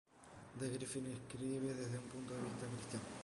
Des Griffin escribe desde un punto de vista cristiano.